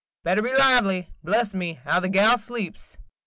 Better be lively! Bless me, how the gal sleeps!"